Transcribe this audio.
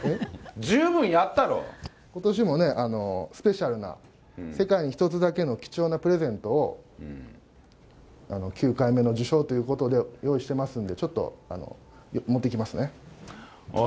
十分やことしもね、スペシャルな、世界に一つだけの貴重なプレゼントを、９回目の受賞ということで用意してますんで、ちょっと持ってきますね。